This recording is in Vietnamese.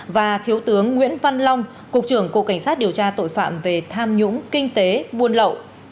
và thiếu tướng nguyễn văn long cục trưởng cục cảnh sát điều tra tội phạm về tham nhũng kinh tế buôn lậu